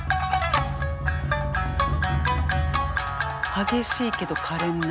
激しいけどかれんな。